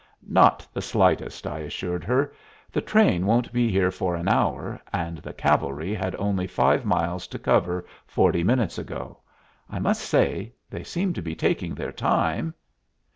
"Not the slightest," I assured her. "The train won't be here for an hour, and the cavalry had only five miles to cover forty minutes ago. I must say, they seem to be taking their time."